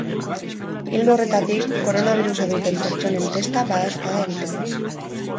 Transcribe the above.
Ildo horretatik, koronabirusa duten pertsonen testa badaezpada egiteko.